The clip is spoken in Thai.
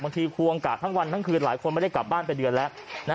ควงกะทั้งวันทั้งคืนหลายคนไม่ได้กลับบ้านไปเดือนแล้ว